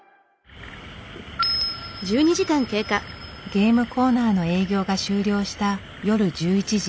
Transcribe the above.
ゲームコーナーの営業が終了した夜１１時。